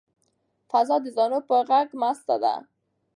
فضا د زاڼو په غږ مسته ده.